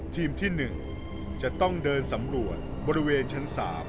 ทีมที่๑จะต้องเดินสำรวจบริเวณชั้น๓